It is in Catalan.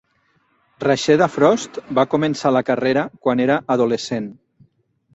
Rasheeda Frost va començar la carrera quan era adolescent.